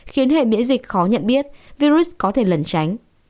khiến hệ miễn dịch khó nhận biết virus có thể lẩn tránh